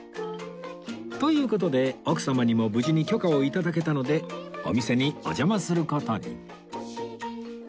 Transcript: という事で奥様にも無事に許可を頂けたのでお店にお邪魔する事に